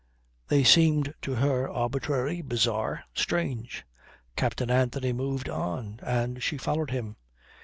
They seemed to her arbitrary, bizarre, strange. Captain Anthony moved on, and she followed him.